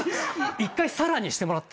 １回さらにしてもらって。